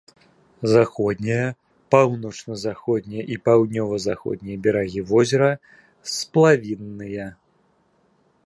Заходнія, паўночна-заходнія і паўднёва-заходнія берагі возера сплавінныя.